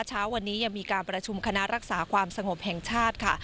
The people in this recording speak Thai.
เช้าวันนี้ยังมีการประชุมคณะรักษาความสงบแห่งชาติค่ะ